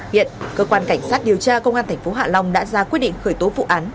hiện cơ quan cảnh sát điều tra công an tp hạ long đã ra quyết định khởi tố vụ án